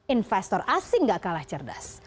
investor asing gak kalah cerdas